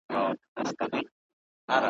ته به کور سې د تورمخو ځالګیو `